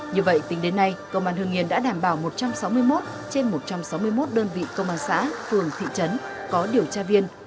như vậy tính đến nay công an hương yên đã đảm bảo một trăm sáu mươi một trên một trăm sáu mươi một đơn vị công an xã phường thị trấn có điều tra viên